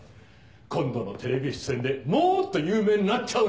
・今度のテレビ出演でもっと有名になっちゃうな！